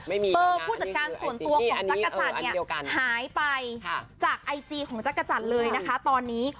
เออผู้จัดการส่วนตัวของจักรจันทร์เนี่ยหายไปจากไอจีของจักรจันทร์เลยนะคะตอนนี้